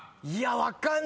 分かんない。